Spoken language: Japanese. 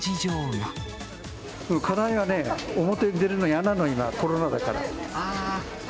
家内がね、表出るの嫌なの、今、コロナだから。